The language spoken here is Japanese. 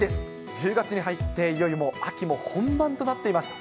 １０月に入っていよいよもう秋も本番となっています。